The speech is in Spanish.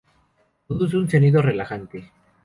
Produce un sonido relajante.